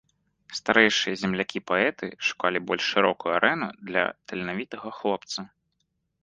Старэйшыя землякі-паэты шукалі больш шырокую арэну для таленавітага хлопца.